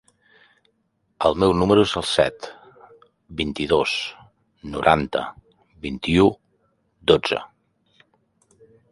El meu número es el set, vint-i-dos, noranta, vint-i-u, dotze.